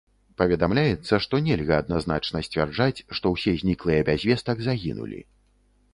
Паведамляецца, што нельга адназначна сцвярджаць, што ўсе зніклыя без вестак загінулі.